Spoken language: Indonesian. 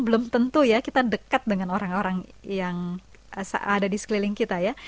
belum tentu ya kita dekat dengan orang orang yang ada di sekeliling kita ya